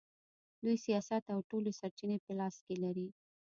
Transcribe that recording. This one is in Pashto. دوی سیاست او ټولې سرچینې په لاس کې لري.